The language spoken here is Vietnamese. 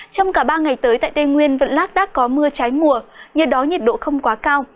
trong cả ba ngày tới tại tây nguyên vẫn lát đác có mưa trái mùa nhiệt đó nhiệt độ không quá cao